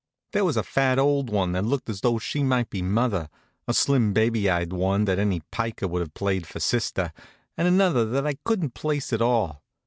There was a fat old one, that looked as though she might be mother; a slim baby eyed one, that any piker would have played for sister; and another, that I couldn't place at all.